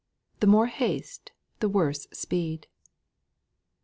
"THE MORE HASTE THE WORSE SPEED."